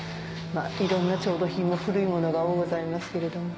いろんな調度品も古いものが多うございますけれども。